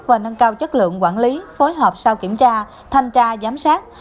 và nâng cao chất lượng quản lý phối hợp sau kiểm tra thanh tra giám sát